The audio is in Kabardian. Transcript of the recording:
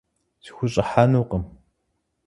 Схущӏыхьэнукъым.